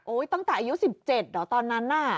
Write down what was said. โอ้ยตั้งแต่อายุ๑๗ตอนนั้น